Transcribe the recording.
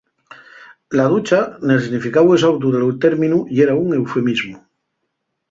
La ducha, nel significáu exautu del términu yera un eufemismu.